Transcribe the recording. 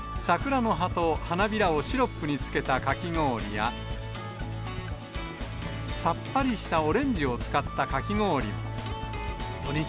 桜の葉と花びらをシロップに漬けたかき氷や、さっぱりしたオレンジをを使ったかき氷も。